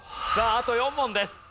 あと４問です。